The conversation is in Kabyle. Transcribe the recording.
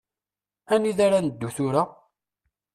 Anida ara neddu tura?